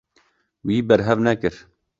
Wî berhev nekir.